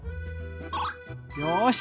よし！